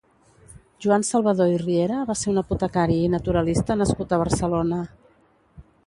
Joan Salvador i Riera va ser un apotecari i naturalista nascut a Barcelona.